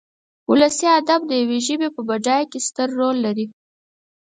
ولسي ادب د يوې ژبې په بډاينه کې ستر رول لري.